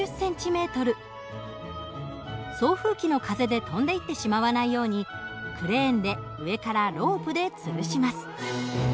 送風機の風で飛んでいってしまわないようにクレーンで上からロープでつるします。